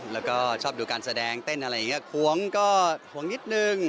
แล้วก็ชอบดูการแสดงเต้นอะไรอย่างนี้ห่วงก็ห่วงนิดนึง